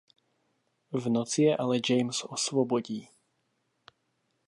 V noci je ale James osvobodí.